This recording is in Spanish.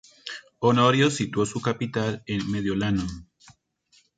Honorio situó su capital en Mediolanum.